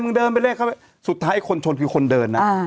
เดินไปเลยเข้าไปสุดท้ายไอ้คนชนคือคนเดินนะ